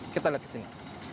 kita lihat di sini